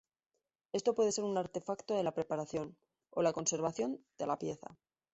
Esto puede ser un artefacto de la preparación o la conservación de la pieza.